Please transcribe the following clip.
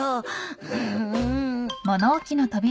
うん。